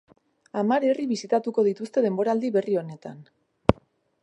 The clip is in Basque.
Hamar herri bisitatuko dituzte denboraldi berri honetan.